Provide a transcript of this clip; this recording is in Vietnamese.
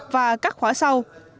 và các khóa sau